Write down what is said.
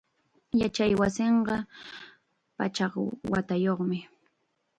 Yachaywasinqa pachak watayuqnami.